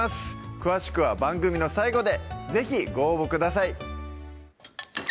詳しくは番組の最後で是非ご応募ください